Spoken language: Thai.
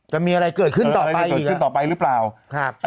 จะมีอะไรเกิดขึ้นต่อไปอีกหรือเปล่าค่ะ